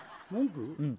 うん。